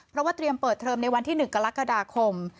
เพราะว่าเตรียมเปิดเทอมในวันที่๑กรกฎาคม